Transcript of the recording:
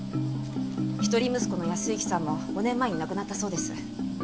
一人息子の靖之さんも５年前に亡くなったそうです。